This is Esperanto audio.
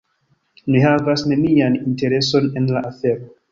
Mi havas nenian intereson en la afero.